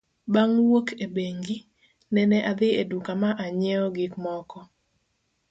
Bang' wuok e bengi, nene adhi e duka ma anyiewo gik moko.